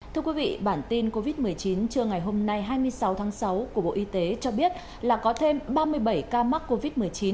thưa quý vị bản tin covid một mươi chín trưa ngày hôm nay hai mươi sáu tháng sáu của bộ y tế cho biết là có thêm ba mươi bảy ca mắc covid một mươi chín